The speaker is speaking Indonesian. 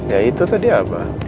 ya itu tadi apa